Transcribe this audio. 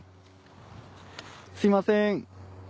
すみません。